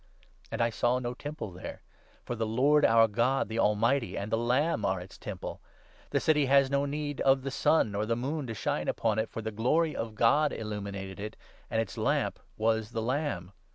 And I saw no Temple 22 there, for the Lord, our God, the Almighty, and the Lamb are its Temple. The City has no need of ' the sun or the moon to 23 shine upon it, for the Glory of God illuminated it,' and its Lamp was the Lamb.